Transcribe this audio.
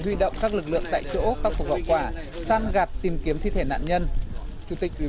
vụ săn lở đất cũng săn lấp nhiều gia súc